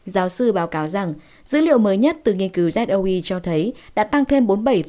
giáo sư báo cáo rằng dữ liệu mới nhất từ nghiên cứu zloy cho thấy đã tăng thêm bốn mươi bảy